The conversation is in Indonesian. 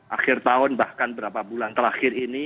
akhir tahun bahkan beberapa bulan terakhir ini